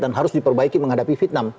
dan harus diperbaiki menghadapi vietnam